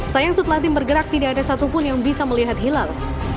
sayang setelah tim bergerak tidak ada satupun yang bisa melihat hilal